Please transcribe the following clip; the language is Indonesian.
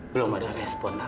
belum ada respon nak